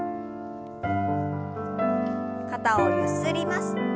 肩をゆすります。